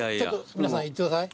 皆さんいってください。